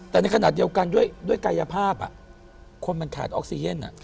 แต่ในขณะเดียวกันด้วยกายภาพคนมันขาดออกซีเย็น